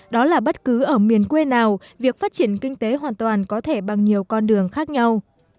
đó là bất cứ ở miền quê nào việc phát triển kinh tế hoàn toàn có thể bằng nhiều con đường khác nhau